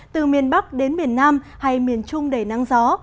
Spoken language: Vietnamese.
từ miền bắc đến miền nam hay miền trung đầy nắng gió